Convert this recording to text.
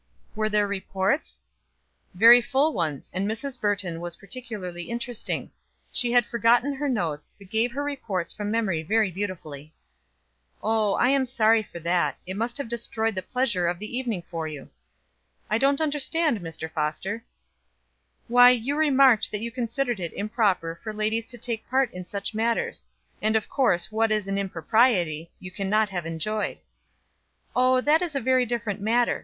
"Were there reports?" "Very full ones, and Mrs. Burton was particularly interesting. She had forgotten her notes, but gave her reports from memory very beautifully." "Ah, I am sorry for that. It must have destroyed the pleasure of the evening for you." "I don't understand, Mr. Foster." "Why you remarked that you considered it improper for ladies to take part in such matters: and of course what is an impropriety you can not have enjoyed." "Oh that is a very different matter.